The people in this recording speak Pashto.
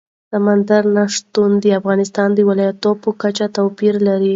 سمندر نه شتون د افغانستان د ولایاتو په کچه توپیر لري.